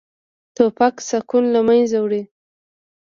توپک سکون له منځه وړي.